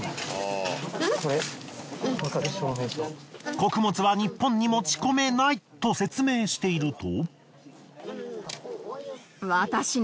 穀物は日本に持ち込めないと説明していると。